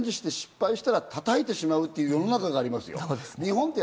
試して失敗したら、叩いてしまうという世の中がありますよ。